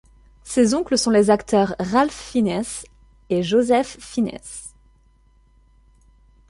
Ses oncles sont les acteurs Ralph Fiennes et Joseph Fiennes.